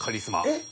えっ？